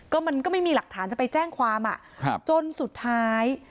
ก็มันก็ไม่มีหลักฐานจะไปแจ้งความจนสุดท้าย